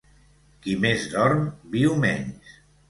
Qui més dorm, viu menys.